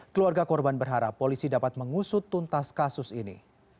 keluarga korban berharap polisi dapat mengusut tuntas kasus ini